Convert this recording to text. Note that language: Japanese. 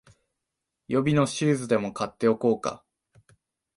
予備のシューズでも買っておこうか